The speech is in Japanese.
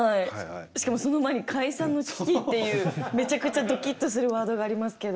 しかもその前に解散の危機っていうめちゃくちゃドキッとするワードがありますけど。